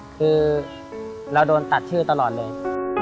คือเราโดนตัดชื่อตลอดเลย